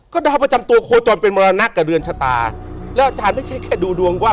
ก็ดาวประจำตัวโคจรเป็นมรณะกับเรือนชะตาแล้วอาจารย์ไม่ใช่แค่ดูดวงว่า